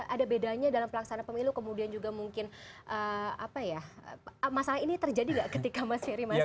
ada bedanya dalam pelaksanaan pemilu kemudian juga mungkin masalah ini terjadi gak ketika mas ferry masuk